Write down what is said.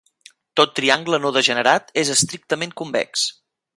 Tot triangle no degenerat és estrictament convex.